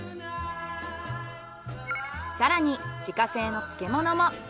更に自家製の漬物も。